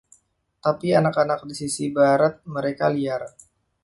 Tapi anak-anak di Sisi Barat - mereka liar.